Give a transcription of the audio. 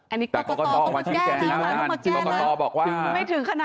อันนี้ก็ต้องมาแจ้งแล้วไม่ถึงขนาดนั้น